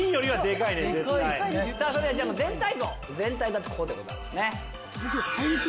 それでは全体像全体だとこうでございますね。